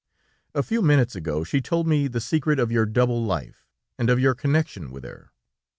A few minutes ago, she told me the secret of your double life, and of your connection with her....